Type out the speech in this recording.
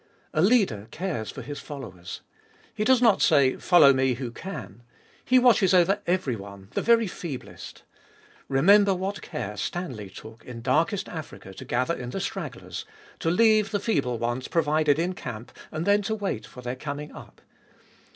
A leader cares for his followers. — He does not say, Follow me, who can. He watches over everyone, the very feeblest. Remember what care Stanley took in darkest Africa to gather in the stragglers — to leave the feeble ones provided in camp, and then to wait for their coming up.